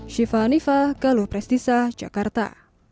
syifa nifa geluh prestisa jakarta